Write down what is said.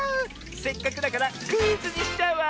せっかくだからクイズにしちゃうわ！